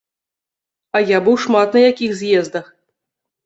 А я быў шмат на якіх з'ездах.